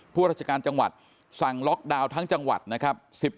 พวกราชการจังหวัดสั่งล็อกดาวน์ทั้งจังหวัดนะครับ